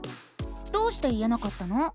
どうして言えなかったの？